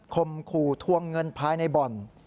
มขู่ทวงเงินภายในบ่อน